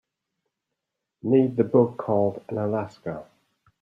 Need the book called ANAlaska